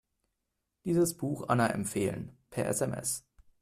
Dieses Buch Anna empfehlen, per SMS.